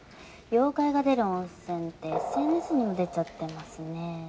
妖怪が出る温泉ってＳＮＳにも出ちゃってますね。